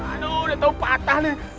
aduh udah tau patah nih